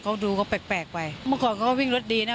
เขาดูเขาแปลกไปเมื่อก่อนเขาก็วิ่งรถดีนะ